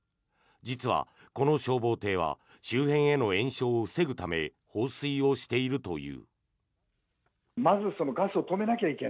実は、この消防艇は周辺への延焼を防ぐため放水をしているという。